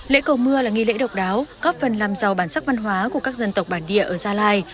lễ cầu mưa là nghi lễ độc đáo góp phần làm giàu bản sắc văn hóa của các dân tộc bản địa ở gia lai